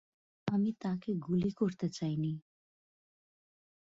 আমি তাকে গুলি করতে চাইনি।